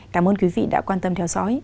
cảm ơn quý vị đã quan tâm theo dõi